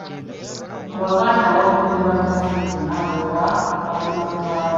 Abaganda wamu ne bannaffe bonna abalala bali mu Buganda